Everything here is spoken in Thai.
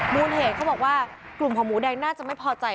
มูลเหตุเขาบอกว่ากลุ่มของหมูแดงน่าจะไม่พอใจ